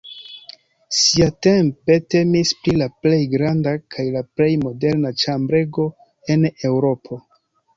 Siatempe temis pri la plej granda kaj la plej moderna ĉambrego en Eŭropo.